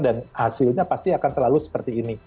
dan hasilnya pasti akan selalu seperti ini